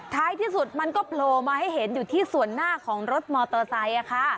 ท้ายที่สุดมันก็โผล่มาให้เห็นอยู่ที่ส่วนหน้าของรถมอเตอร์ไซค์